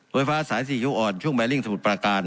ไฟฟ้าสายสียูอ่อนช่วงแบริ่งสมุทรประการ